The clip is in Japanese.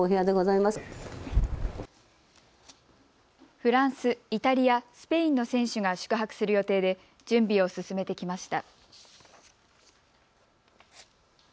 フランス、イタリア、スペインの選手が宿泊する予定で準備を進めてきました。